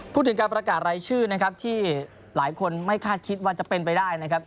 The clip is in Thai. พูดถึงการประกาศรายชื่อนะครับที่หลายคนไม่คาดคิดว่าจะเป็นไปได้นะครับ